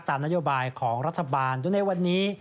ตามนโยบายของรัฐบาลโดยในวันนี้